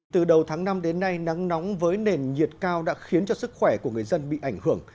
từ đầu tháng năm đến nay nắng nóng với nền nhiệt cao đã khiến cho sức khỏe của người dân bị ảnh hưởng